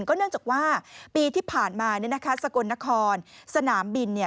เนื่องจากว่าปีที่ผ่านมาสกลนครสนามบิน